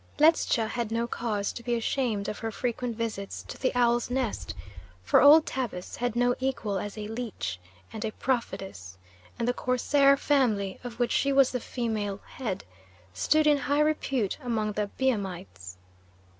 Ledscha had no cause to be ashamed of her frequent visits to the Owl's Nest, for old Tabus had no equal as a leech and a prophetess, and the corsair family, of which she was the female head, stood in high repute among the Biamites.